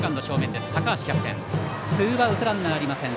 高橋キャプテンがとってツーアウトランナーありません。